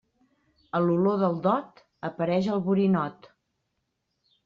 A l'olor del dot, apareix el borinot.